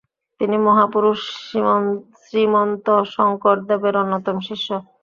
তিনি মহাপুরুষ শ্রীমন্ত শঙ্করদেবের অন্যতম শিষ্য ।